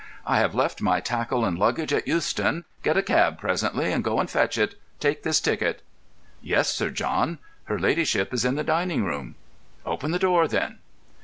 "I have left my tackle and luggage at Euston. Get a cab presently and go and fetch it. Take this ticket." "Yes, Sir John. Her ladyship is in the dining room." "Open the door, then."